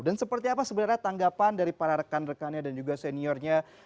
dan seperti apa sebenarnya tanggapan dari para rekan rekannya dan juga seniornya